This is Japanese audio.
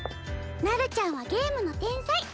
なるちゃんはゲームの天才。